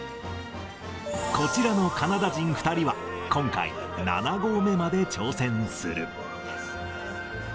こちらのカナダ人２人は、今回、７合目まで挑戦する。